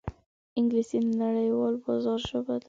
انګلیسي د نړیوال بازار ژبه ده